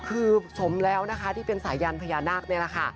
คือสมแล้วนะคะที่เป็นสายันพญานาคนี่แหละค่ะ